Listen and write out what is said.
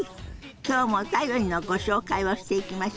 今日もお便りのご紹介をしていきましょうか。